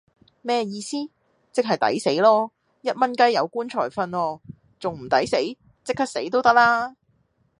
咩意思?即系抵死囉!一蚊雞有棺材訓喔,仲唔抵死?即刻死都得啦